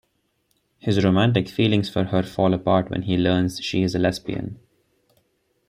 His romantic feelings for her fall apart when he learns she is a lesbian.